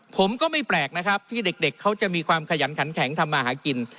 ผมก็ไม่แปลกนะครับที่เด็กเขาจะมีความขยันขันแข็งทำมาหากิน